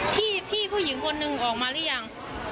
พี่ผู้หญิงคนนึงออกมาหรือยัง